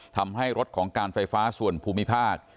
ทำให้รถของการไฟฟ้าส่วนภูมิภาค